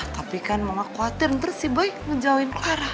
tapi kan mama khawatir ntar si boy ngejauhin clara